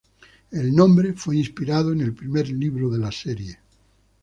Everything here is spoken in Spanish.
El nombre fue inspirado en el primer libro de la serie.